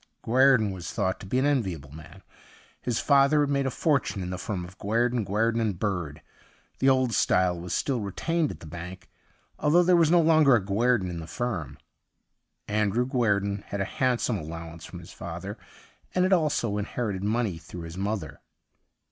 Guerdon was thought to be an enviable man. His father had made a fortune in the firm of Guerdon, Guerdon and Bird ; the old style was still retained at the bank, although there was no longer a Guerdon in the firm. Andrew Guerdon had a handsome allowance from his father, and had also in herited money through his mother.